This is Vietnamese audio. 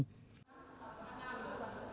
ngay cả sau khi bạn bắt đầu chương trình học của mình